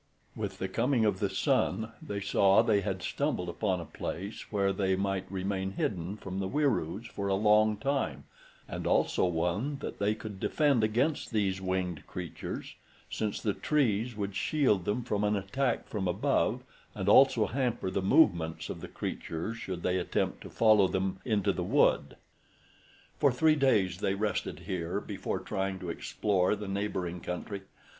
With the coming of the sun they saw they had stumbled upon a place where they might remain hidden from the Wieroos for a long time and also one that they could defend against these winged creatures, since the trees would shield them from an attack from above and also hamper the movements of the creatures should they attempt to follow them into the wood. For three days they rested here before trying to explore the neighboring country.